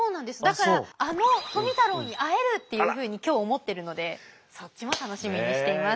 だからあの富太郎に会えるっていうふうに今日思ってるのでそっちも楽しみにしています。